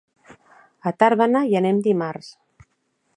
A Tàrbena hi anem dimarts.